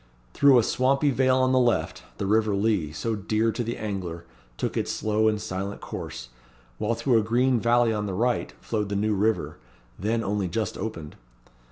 Through a swampy vale on the left, the river Lea, so dear to the angler, took its slow and silent course; while through a green valley on the right, flowed the New River, then only just opened.